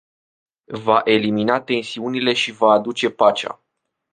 Va elimina tensiunile și va aduce pacea.